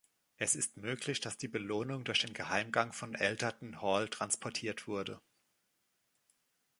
Es ist möglich, dass die Belohnung durch den Geheimgang von Alderton Hall transportiert wurde.